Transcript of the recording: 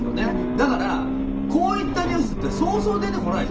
だから、こういったニュースってそうそう出てこないの。